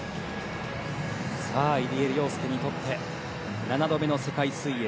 入江陵介にとって７度目の世界水泳。